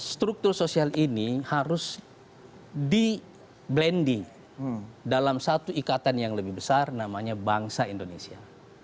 struktur sosial ini harus di blending dalam satu ikatan yang lebih besar namanya bangsa indonesia